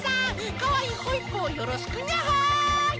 かわいいホイップをよろしくニャホイ！